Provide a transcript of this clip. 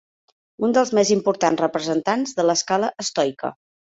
Un dels més importants representants de l'escola estoica.